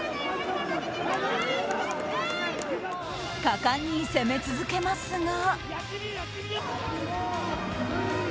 果敢に攻め続けますが。